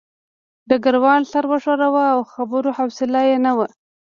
ډګروال سر وښوراوه او د خبرو حوصله یې نه وه